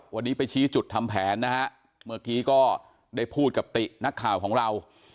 วันนี้ไปชี้จุดทำแผนนะฮะเมื่อกี้ก็ได้พูดกับตินักข่าวของเรา